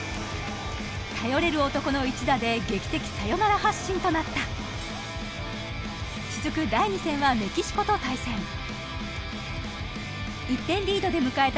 頼れる男の一打で劇的サヨナラ発進となった続く第２戦はメキシコと対戦１点リードで迎えた